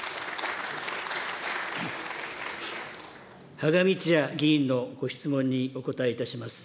芳賀道也議員のご質問にお答えいたします。